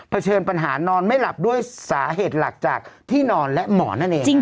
เชิญปัญหานอนไม่หลับด้วยสาเหตุหลักจากที่นอนและหมอนั่นเอง